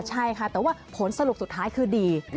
ใช่ค่ะแต่ว่าผลสรุปสุดท้ายคือดี